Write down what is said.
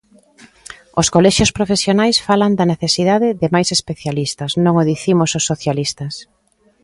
Os colexios profesionais falan da necesidade de máis especialistas; non o dicimos os socialistas.